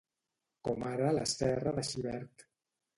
com ara la serra de Xivert